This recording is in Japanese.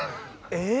えっ？